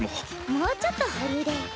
もうちょっと保留で。